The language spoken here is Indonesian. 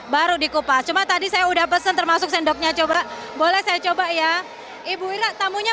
baru dikupas cuma tadi saya udah pesen termasuk sendoknya coba boleh saya coba ya ibu ira tamunya